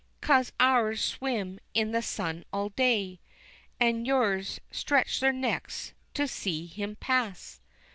'cause ours swim in the sun all day, An' yours stretch their necks to see him pass.